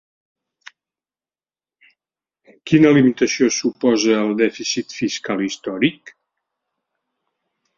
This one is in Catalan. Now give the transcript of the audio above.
Quina limitació suposa el dèficit fiscal històric?